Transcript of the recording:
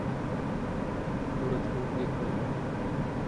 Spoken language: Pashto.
ورڅ مو نېکمرغه!